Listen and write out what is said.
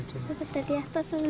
dapat tadi apa aja